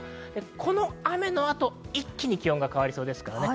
この雨の後、一気に気温が変わりそうです。